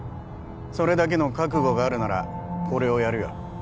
それだけの覚悟があるならこれをやるよ